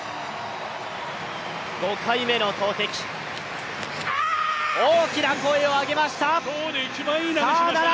５回目の投てき、大きな声を上げました。